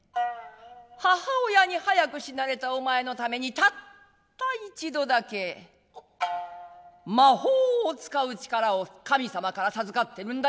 母親に早く死なれたおまえのためにたった一度だけ魔法を使う力を神様から授かっているんだよ。